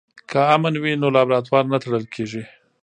که امن وي نو لابراتوار نه تړل کیږي.